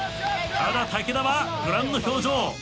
ただ武田はご覧の表情。